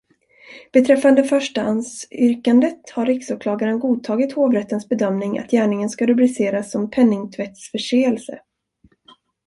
Beträffande förstahandsyrkandet har riksåklagaren godtagit hovrättens bedömning att gärningen ska rubriceras som penningtvättsförseelse.